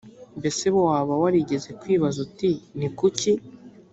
mbese waba warigeze kwibaza uti ni kuki